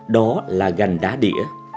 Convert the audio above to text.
đó là gành đá đĩa